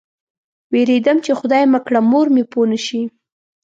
وېرېدم چې خدای مه کړه مور مې پوه نه شي.